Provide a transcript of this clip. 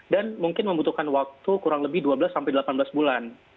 dan mungkin membutuhkan waktu kurang lebih dua belas sampai delapan belas bulan